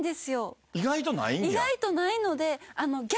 意外とないんや。